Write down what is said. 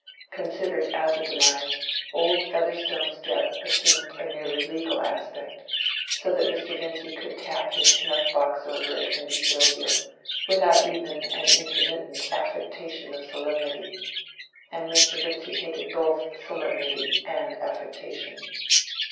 Considered as a demise, old Featherstone's death assumed a merely legal aspect, so that Mr. Vincy could tap his snuff box over it and be jovial, without even an intermittent affectation of solemnity; and Mr. Vincy hated both solemnity and affectation.